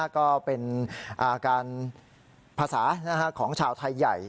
ก็เป็นการภาษาของชาวไทยใหญ่